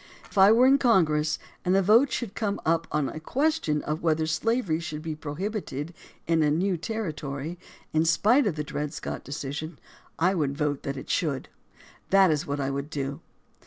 If I were in Congress, and a vote should come up on a question of whether slavery should be prohibited in a new territory, in spite of the Dred Scott decision, I would vote that it should. That is what I would do.